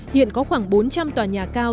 hiện có khoảng bốn trăm linh tòa nhà cao